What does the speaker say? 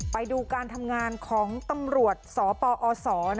ไปดูการทำงานของตำรวจสปอศ